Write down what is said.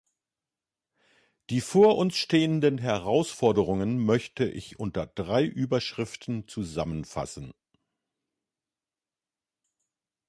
Die vor uns stehenden Herausforderungen möchte ich unter drei Überschriften zusammenfassen.